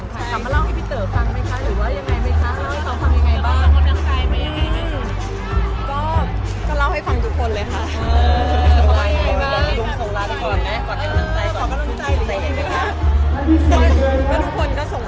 สามารถเล่าให้พี่เต๋อฟังไหมคะหรือว่ายังไงบ้าง